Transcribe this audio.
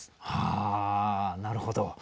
あなるほど。